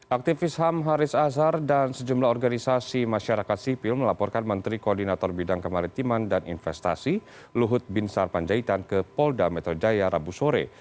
aktivis ham haris azhar dan sejumlah organisasi masyarakat sipil melaporkan menteri koordinator bidang kemaritiman dan investasi luhut bin sarpanjaitan ke polda metro jaya rabu sore